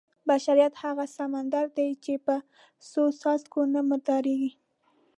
بشریت هغه سمندر دی چې په څو څاڅکو نه مردارېږي.